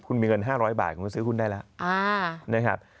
คุณมีเงิน๕๐๐บาทคุณสื้อหุ้นได้แล้ว